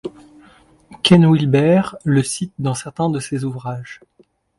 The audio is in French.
Ken Wilber le cite dans certains de ses ouvrages.